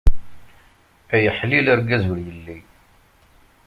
Ay aḥlili, argaz ur yelli.